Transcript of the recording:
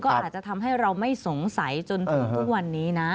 ก็อาจจะทำให้เราไม่สงสัยจนถึงทุกวันนี้นะ